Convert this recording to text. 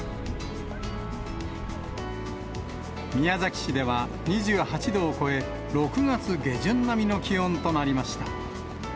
宮崎市では２８度を超え、６月下旬並みの気温となりました。